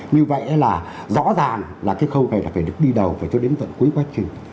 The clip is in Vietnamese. như vậy là rõ ràng là cái khâu này là phải được đi đầu phải cho đến tận cuối quá trình